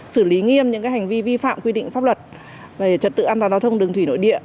xử lý nghiêm những hành vi vi phạm quy định pháp luật về trật tự an toàn giao thông đường thủy nội địa